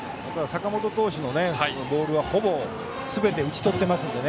坂本投手のボールはほぼすべて打ち取っていますから。